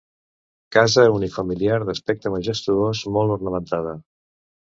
Casa unifamiliar d'aspecte majestuós, molt ornamentada.